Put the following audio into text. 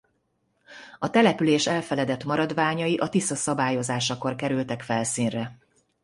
A település elfeledett maradványai a Tisza szabályozásakor kerültek felszínre.